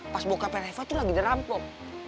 pas bokapnya reva tuh lagi udah rampok